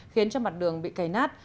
khiến cho mặt đường bị cày nát